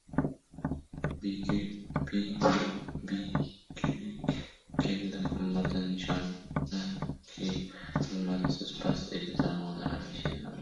Biyiklik keldi himmatdin nishona, Ki, himmatsizni past etdi zamona. Alisher Navoiy